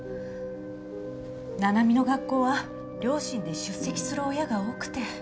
七海の学校は両親で出席する親が多くて。